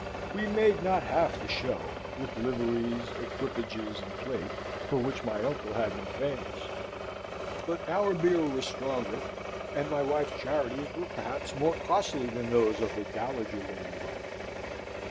We made not half the show (with liveries, equipages, and plate) for which my uncle had been famous; but our beer was stronger, and my wife's charities were perhaps more costly than those of the Dowager Lady Warrington.